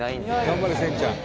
頑張れ千ちゃん。